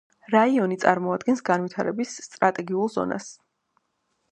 რაიონი წარმოადგენს განვითარების სტრატეგიულ ზონას.